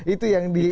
itu yang di gaduh